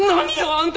あんた！